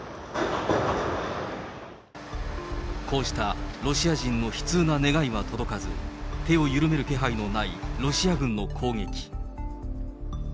こうしたロシア人の悲痛な願いは届かず、手を緩める気配のないロシア軍の攻撃。